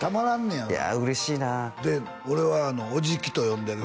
やいや嬉しいな俺はオジキと呼んでる